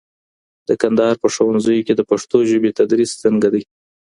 د کندهار په ښوونځیو کي د پښتو ژبې تدریس څنګه دی؟